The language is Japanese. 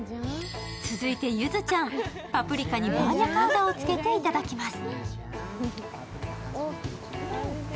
続いてゆずちゃん、パプリカにバーニャカウダをつけていただきます。